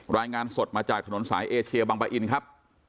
รายงานสดมาจากถนนสายเอเชียบังปะอินครับ